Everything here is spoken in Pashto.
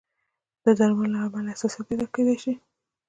د درملو له امله حساسیت پیدا کېدای شي.